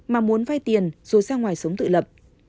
mà muốn phai tiền rồi sang ngoài sống tự lập